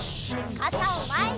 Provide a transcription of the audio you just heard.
かたをまえに！